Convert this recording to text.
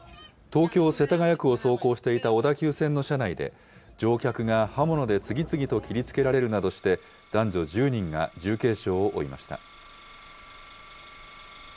東京・世田谷区を走行していた小田急線の車内で乗客が刃物で次々と切りつけられるなどして、男女１０人が重軽傷を負いました。